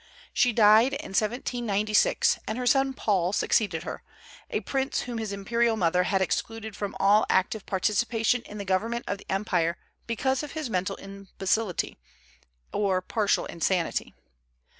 She died in 1796, and her son Paul succeeded her, a prince whom his imperial mother had excluded from all active participation in the government of the empire because of his mental imbecility, or partial insanity.